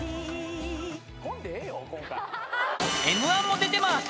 ［Ｍ−１も出てます］